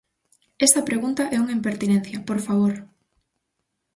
Esa pregunta é unha impertinencia, ¡por favor!